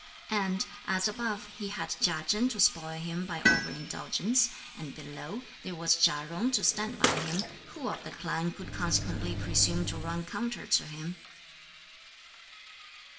And as, above, he had Chia Chen to spoil him by over indulgence; and below, there was Chia Jung to stand by him, who of the clan could consequently presume to run counter to him?